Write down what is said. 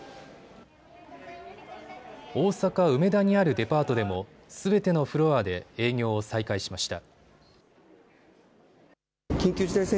大阪梅田にあるデパートでもすべてのフロアで営業を再開しました。